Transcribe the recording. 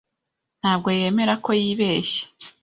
Ntabwo yemera ko yibeshye.